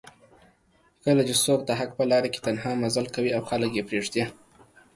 کله چې څوک دحق په لار کې تنها مزل کوي او خلک یې پریږدي